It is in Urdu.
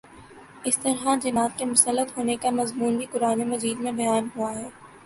اسی طرح جنات کے مسلط ہونے کا مضمون بھی قرآنِ مجید میں بیان ہوا ہے